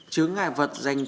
trứng ngại vật dành